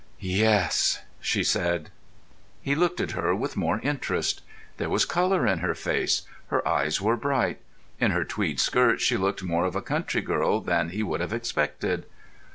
"Yes," she said. He looked at her with more interest. There was colour in her face; her eyes were bright; in her tweed skirt she looked more of a country girl than he would have expected.